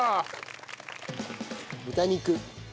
豚肉。